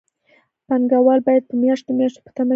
پانګوال باید په میاشتو میاشتو په تمه شي